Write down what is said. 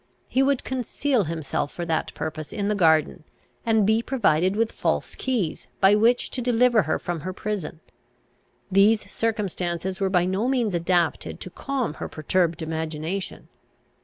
He would conceal himself for that purpose in the garden, and be provided with false keys, by which to deliver her from her prison. These circumstances were by no means adapted to calm her perturbed imagination.